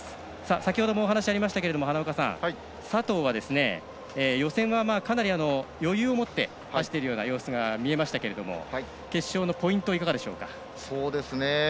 先ほどもお話がありましたけど花岡さん、佐藤は予選はかなり余裕を持って走っているような様子が見えましたけども決勝のポイントいかがでしょうか。